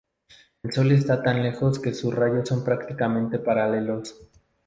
El Sol está tan lejos que sus rayos son prácticamente paralelos.